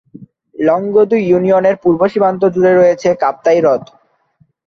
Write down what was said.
লংগদু ইউনিয়নের পূর্ব সীমান্ত জুড়ে রয়েছে কাপ্তাই হ্রদ।